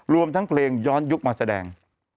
รวมทั้งเพลงย้อนยุคมาแสดง